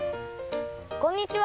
こんにちは！